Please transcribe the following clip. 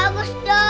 aku bisa peluk ibu